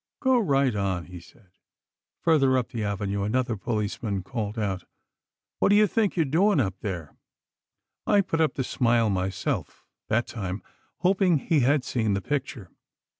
'Go right on,' he said. Farther up the Avenue, another policeman called out: 'What do you think you're doing up there?' I put up the smile myself, that time, hoping he had seen the picture.